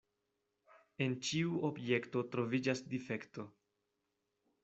En ĉiu objekto troviĝas difekto.